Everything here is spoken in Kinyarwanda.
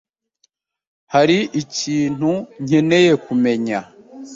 Hari ikintu nkeneye kumenya?